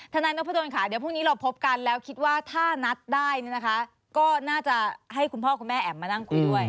นายนพดลค่ะเดี๋ยวพรุ่งนี้เราพบกันแล้วคิดว่าถ้านัดได้เนี่ยนะคะก็น่าจะให้คุณพ่อคุณแม่แอ๋มมานั่งคุยด้วย